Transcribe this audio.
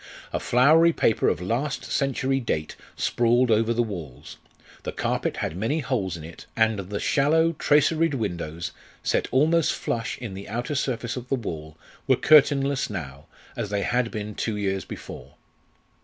A flowery paper of last century date sprawled over the walls, the carpet had many holes in it, and the shallow, traceried windows, set almost flush in the outer surface of the wall, were curtainless now, as they had been two years before.